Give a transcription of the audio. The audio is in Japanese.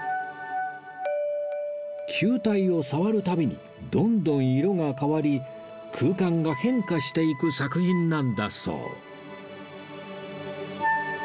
球体を触るたびにどんどん色が変わり空間が変化していく作品なんだそう